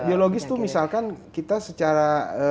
biologis itu misalkan kita secara